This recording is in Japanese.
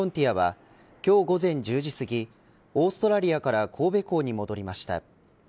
あは今日午前１０時すぎオーストラリアから神戸港に戻りました。